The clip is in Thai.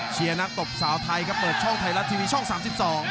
เชียร์นักตบสาวไทยครับเปิดช่องไทยรัดทีวีช่อง๓๒